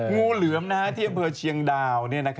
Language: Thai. งูเหลือมนะฮะที่บริเวณเชียงดาวน์